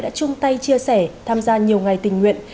đã chung tay chia sẻ tham gia nhiều ngày tình nguyện